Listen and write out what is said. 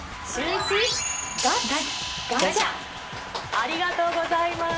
ありがとうございます。